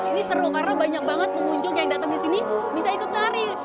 ini seru karena banyak banget pengunjung yang datang di sini bisa ikut nari